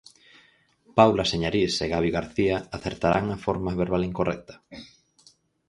Paula Señarís e Gabi García acertarán a forma verbal incorrecta?